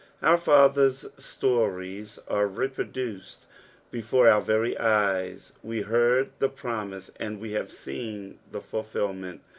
Our father's stories are reproduced before our very eyes. We heard the promise, and we have seen the fulfilment.